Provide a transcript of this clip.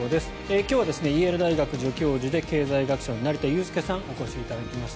今日はイェール大学助教授で経済学者の成田悠輔さんにお越しいただきました。